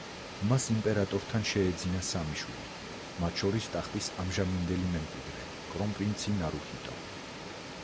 მას იმპერატორთან შეეძინა სამი შვილი, მათ შორის ტახტის ამჟამინდელი მემკვიდრე კრონპრინცი ნარუჰიტო.